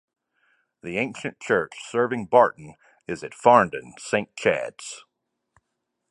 The ancient church serving Barton is at Farndon, Saint Chad's.